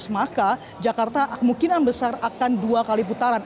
maka jakarta kemungkinan besar akan dua kali putaran